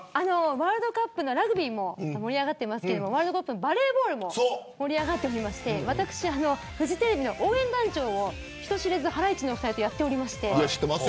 ワールドカップのラグビーも盛り上がってますけどワールドカップのバレーボールも盛り上がってまして私、フジテレビの応援団長を人知れずハライチのお二人とやっておりまして。